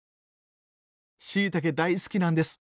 しいたけ大好きなんです。